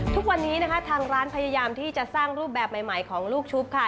ทุกวันนี้นะคะทางร้านพยายามที่จะสร้างรูปแบบใหม่ของลูกชุบค่ะ